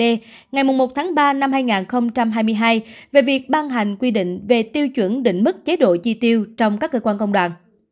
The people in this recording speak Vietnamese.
ngày một tháng ba năm hai nghìn hai mươi hai về việc ban hành quy định về tiêu chuẩn định mức chế độ chi tiêu trong các cơ quan công đoàn